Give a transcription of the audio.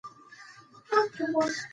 فرهنګ د دود او نوښت تر منځ توازن غواړي.